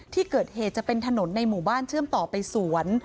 ที่เกิดเหตุจะเป็นถนนในหมู่บ้านเชื่อมต่อไปสวน